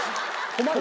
困る。